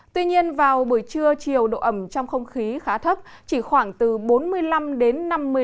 tuy nhiên vào buổi trưa chiều độ ẩm trong không khí khá thấp chỉ khoảng từ bốn mươi năm đến năm mươi năm độ